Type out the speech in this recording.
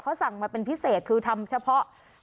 คุณนึกออกมาก่อน